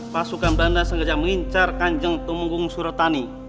pasukan belanda sengaja mengincar kanjeng tumenggung suratani